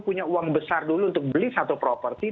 punya uang besar dulu untuk beli satu properti